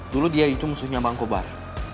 dulu dia itu musuhnya bang kobar